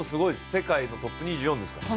世界のトップ２４ですから。